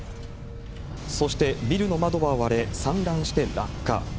そしてビルの窓は割れ、散乱して落下。